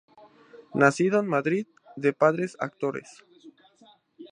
Nacido en Madrid de padres actores.